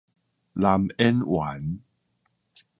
男演員